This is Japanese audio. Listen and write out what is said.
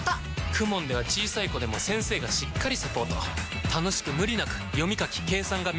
ＫＵＭＯＮ では小さい子でも先生がしっかりサポート楽しく無理なく読み書き計算が身につきます！